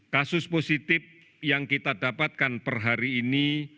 kasus positif yang kita dapatkan per hari ini